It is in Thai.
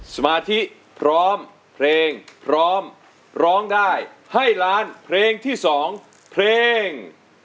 สมาธิพร้อมเพลงพร้อมร้องได้ให้ล้านเพลงที่๒เพลง